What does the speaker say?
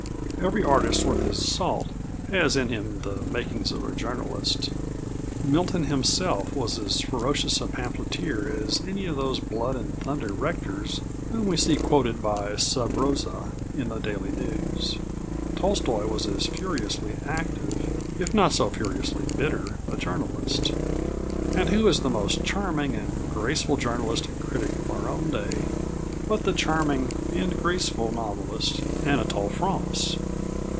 Every artist worth his salt has in him the makings of a journalist. Milton himself was as ferocious a pamphleteer as any of those blood and thunder rectors whom we see quoted by "Sub Rosa" in The Daily News. Tolstoy was as furiously active, if not so furiously bitter, a journalist. And who is the most charming and graceful journalist and critic of our own day but the charming and graceful novelist, Anatole France?